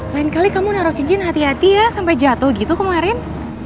lain kali kamu naruh cincin hati hati ya sampai jatuh gitu kemarin